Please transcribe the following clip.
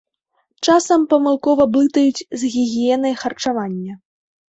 Часам памылкова блытаюць з гігіенай харчавання.